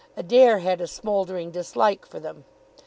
Adair had a smouldering dislike for them.